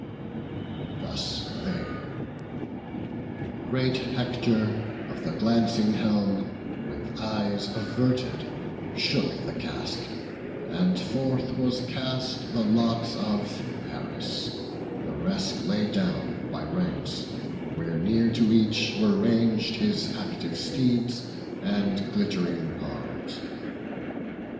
Thus they; great Hector of the glancing helm, With eyes averted, shook the casque; and forth Was cast the lot of Paris; on the ground The rest lay down by ranks, where near to each Were rang'd his active steeds, and glitt'ring arms.